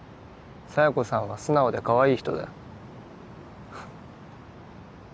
佐弥子さんは素直でかわいい人だよ